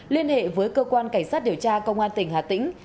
liên hệ với cơ quan cảnh sát điều tra công an tỉnh hà tĩnh